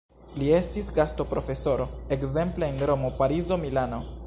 Li estis gastoprofesoro ekzemple en Romo, Parizo, Milano.